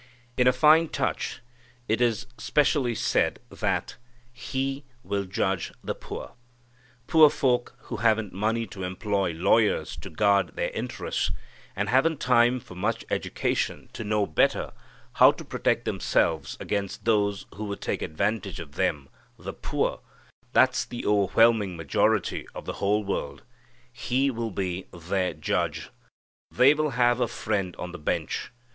In a fine touch it is specially said that "He will judge the poor." Poor folk, who haven't money to employ lawyers to guard their interests, and haven't time for much education to know better how to protect themselves against those who would take advantage of them the poor, that's the overwhelming majority of the whole world He will be their judge. They will have a friend on the bench.